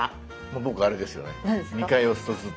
僕あれですよね。